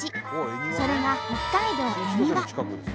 それが北海道恵庭。